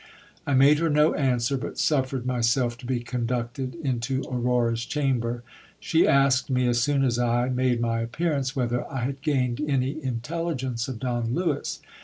I made her no answer, but suffered myfelf to be conducted into Aurora's chamber. She asked me, as soon as I made my appearance, whether I had gained any intelligence of Don Lewis.